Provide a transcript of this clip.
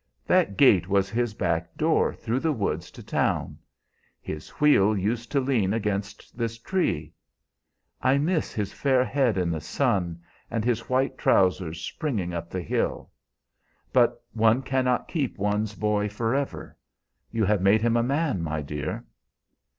That gate was his back door through the woods to town. His wheel used to lean against this tree. I miss his fair head in the sun, and his white trousers springing up the hill. But one cannot keep one's boy forever. You have made him a man, my dear."